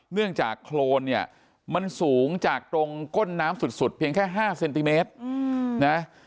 เนื่องจากโครนเนี่ยมันสูงจากตรงก้นน้ำสุดเพียงแค่๕เซนติเมตรนะ